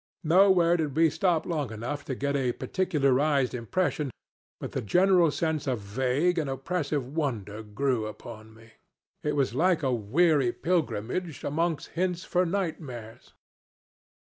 Nowhere did we stop long enough to get a particularized impression, but the general sense of vague and oppressive wonder grew upon me. It was like a weary pilgrimage amongst hints for nightmares.